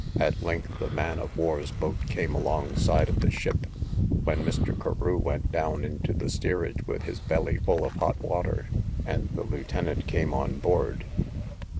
At length the man of war's boat came along side of the ship, when Mr. Carew went down into the steerage with his belly full of hot water, and the lieutenant came on board.